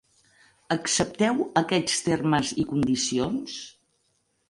Accepteu aquests termes i condicions?